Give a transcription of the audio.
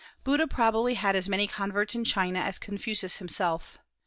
Buddha probably had as many converts in China as Confucius himself.